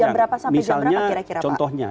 jam berapa sampai jam berapa kira kira pak